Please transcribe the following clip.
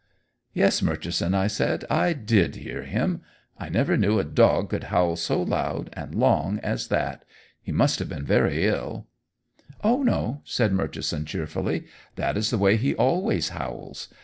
"Yes, Murchison," I said, "I did hear him. I never knew a dog could howl so loud and long as that. He must have been very ill." "Oh, no!" said Murchison cheerfully. "That is the way he always howls.